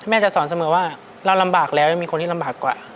จะสอนเสมอว่าเราลำบากแล้วยังมีคนที่ลำบากกว่า